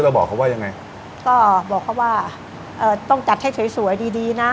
บอกเขาว่ายังไงก็บอกเขาว่าเอ่อต้องจัดให้สวยสวยดีดีนะ